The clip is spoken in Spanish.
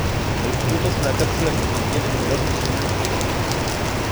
El fruto es una cápsula que contiene numerosas semillas pequeñas.